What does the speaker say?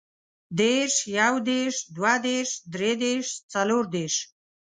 دېرش، يودېرش، دوهدېرش، دريدېرش، څلوردېرش